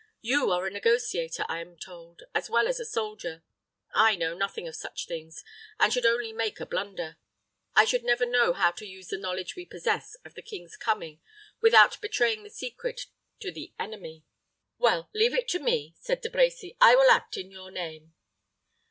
You are a negotiator, I am told, as well as a soldier. I know nothing of such things, and should only make a blunder. I should never know how to use the knowledge we possess of the king's coming without betraying the secret to the enemy." "Well, leave it to me," said De Brecy. "I will act in your name."